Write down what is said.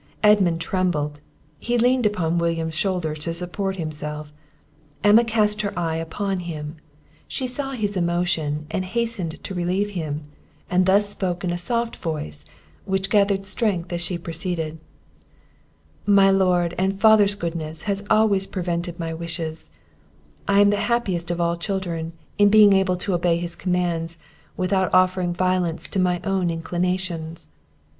Edmund trembled; he leaned upon William's shoulder to support himself. Emma cast her eye upon him, she saw his emotion, and hastened to relieve him; and thus spoke in a soft voice which gathered strength as she proceeded: "My lord and father's goodness has always prevented my wishes; I am the happiest of all children, in being able to obey his commands, without offering violence to my own inclinations.